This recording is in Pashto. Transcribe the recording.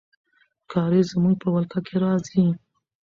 کارېز زموږ په ولکه کې راځي.